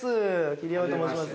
桐山と申します